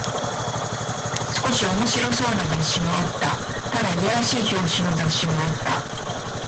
少し面白そうな雑誌もあった。ただ、いやらしい表紙の雑誌もあった。